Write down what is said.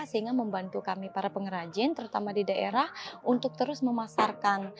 sehingga membantu kami para pengrajin terutama di daerah untuk terus memasarkan